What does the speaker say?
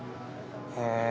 へえ。